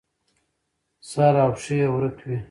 سر او پښې یې ورک وي.